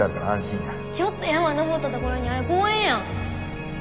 ちょっと山登った所にある公園やん。